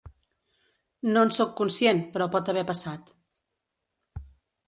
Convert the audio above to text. No en sóc conscient, però pot haver passat.